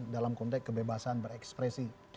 dalam konteks kebebasan berekspresi